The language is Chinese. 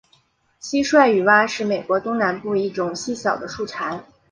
蟋蟀雨蛙是美国东南部一种细小的树蟾。